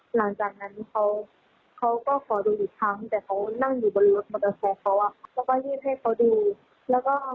หลังจากนั้นเขาก็ขอดูอีกครั้งนั่งอยู่บนรถมอเตอร์ไซค์เขาเราก็ยืนให้เขาดู